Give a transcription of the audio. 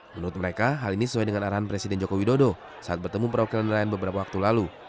menurut mereka hal ini sesuai dengan arahan presiden joko widodo saat bertemu perwakilan nelayan beberapa waktu lalu